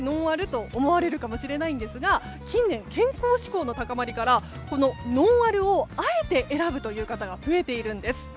と思われるかもしれないんですが近年、健康志向の高まりからノンアルをあえて選ぶという方が増えているんです。